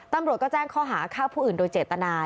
ตำรวจก็แจ้งข้อหาฆ่าผู้อื่นโดยเจตนา